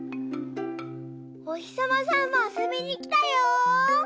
おひさまさんもあそびにきたよ！